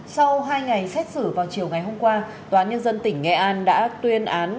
sau hai ngày xét xử vào chiều ngày hôm qua tòa nhân dân tỉnh nghệ an đã tuyên án